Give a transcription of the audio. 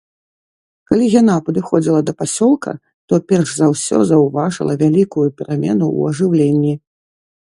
Калі яна падыходзіла да пасёлка, то перш за ўсё заўважыла вялікую перамену ў ажыўленні.